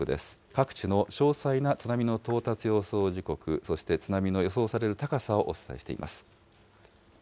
各地の詳細な津波の到達予想時刻、そして津波の予想される高さをお伝えしています。